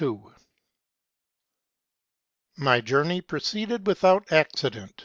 237 " My journey proceeded without accident.